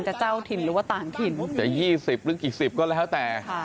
เจ้าถิ่นหรือว่าต่างถิ่นจะ๒๐หรือกี่สิบก็แล้วแต่